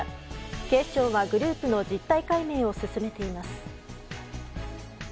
警視庁はグループの実態解明を進めています。